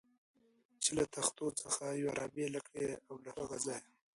چې له تختو څخه یوه را بېله کړو او له هغه ځایه.